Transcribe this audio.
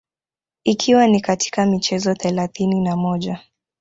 ikiwa ni katika michezo thelathini na moja